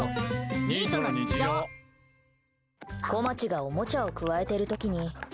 こまちがおもちゃをくわえてる時に。